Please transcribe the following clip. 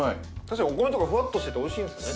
お米とかふわっとしてておいしいですね。